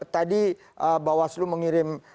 tadi bawaslu mengirim